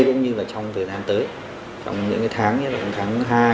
cũng như là trong thời gian tới trong những cái tháng như là tháng hai tháng ba tháng bốn